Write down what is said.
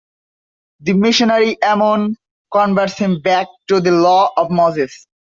The missionary Ammon converts him back to the Law of Moses.